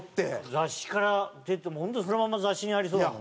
雑誌からもう本当にそのまんま雑誌にありそうだもんね。